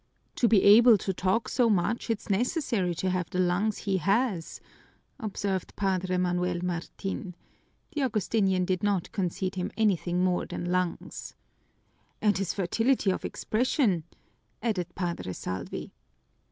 "To be able to talk so much, it's necessary to have the lungs that he has," observed Padre Manuel Martin. The Augustinian did not concede him anything more than lungs. "And his fertility of expression!" added Padre Salvi.